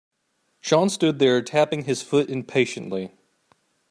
Sean stood there tapping his foot impatiently.